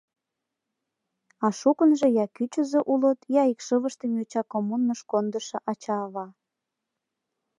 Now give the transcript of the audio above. А шукынжо я кӱчызӧ улыт, я икшывыштым йоча коммуныш кондышо ача-ава.